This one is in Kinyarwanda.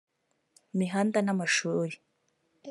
imihanda n’amashuri